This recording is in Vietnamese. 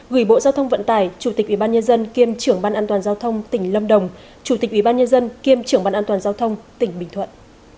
gửi bộ giao thông vận tải chủ tịch ubnd kiêm trưởng ban an toàn giao thông tỉnh lâm đồng chủ tịch ubnd kiêm trưởng ban an toàn giao thông tỉnh bình thuận